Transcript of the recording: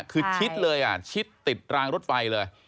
คือชิดเลยอ่ะชิดติดรางรถไฟเลย